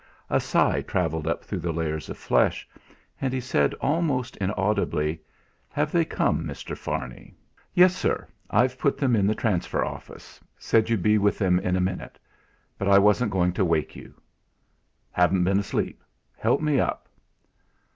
A sigh travelled up through layers of flesh, and he said almost inaudibly: "Have they come, Mr. Farney?" "Yes, sir. I've put them in the transfer office; said you'd be with them in a minute; but I wasn't going to wake you." "Haven't been asleep. Help me up."